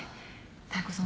妙子さん